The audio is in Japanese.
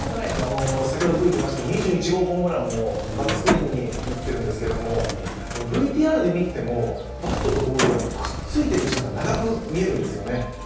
２１号ホームランもバックスクリーンに打っているんですけど、ＶＴＲで見てても、バットとボールがくっついてる時間が長く見えるんですよね。